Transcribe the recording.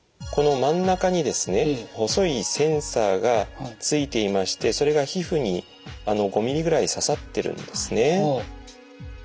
この真ん中にですね細いセンサーがついていましてそれが皮膚に５ｍｍぐらい刺さってるんですね。